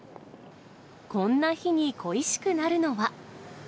こんな日に恋しくなるのは。